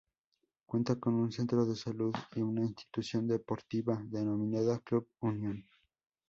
Cuenta con un centro de salud y una institución deportiva denominada Club Unión.